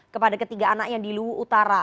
kepada ketiga anaknya di luwu utara